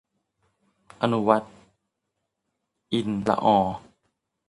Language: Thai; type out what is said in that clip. อนุวัฒน์ อินทรต์ละออ